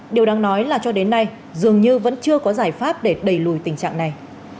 điều đáng nói là cho đến nay dường như vẫn chưa có giải pháp để đẩy lùi tình trạng này